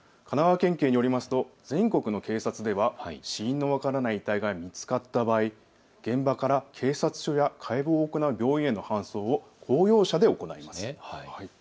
神奈川県警によりますと全国の警察では死因の分からない遺体が見つかった場合、現場から警察署や解剖を行う病院への搬送を公用車で行います。